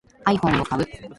iPhone を買う